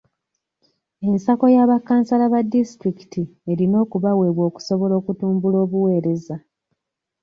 Ensako ya bakansala ba disitulikiti erina okubaweebwa okusobola okutumbula obuweereza.